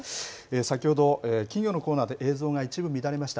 先ほど、金魚のコーナーで、映像が一部、乱れました。